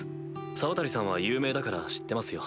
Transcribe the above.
沢渡さんは有名だから知ってますよ。